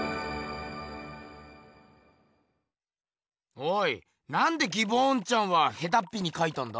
おいなんでギボーンちゃんはヘタッピにかいたんだ？